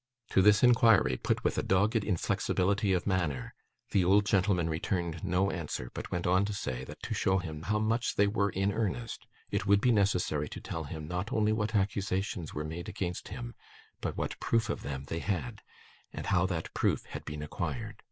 To this inquiry, put with a dogged inflexibility of manner, the old gentleman returned no answer, but went on to say, that to show him how much they were in earnest, it would be necessary to tell him, not only what accusations were made against him, but what proof of them they had, and how that proof had been acquired.